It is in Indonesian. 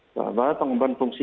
bahwa pengembangan fungsi